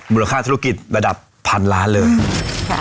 ค่าธุรกิจระดับพันล้านเลยค่ะ